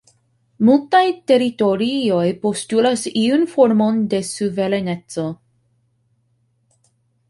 Multaj teritorioj postulas iun formon de suvereneco.